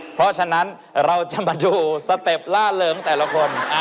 เพราะฉะนั้นเราจะมาดูสเต็ปล่าเริงแต่ละคน